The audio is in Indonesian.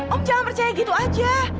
om jangan percaya gitu aja